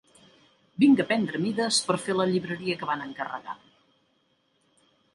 Vinc a prendre mides per fer la llibreria que van encarregar.